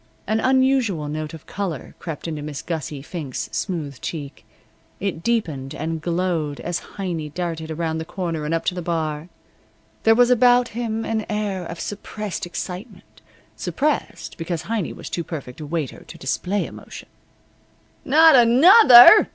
An unusual note of color crept into Miss Gussie Fink's smooth cheek. It deepened and glowed as Heiny darted around the corner and up to the bar. There was about him an air of suppressed excitement suppressed, because Heiny was too perfect a waiter to display emotion. "Not another!"